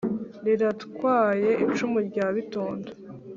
riratwaye icumu rya bitondo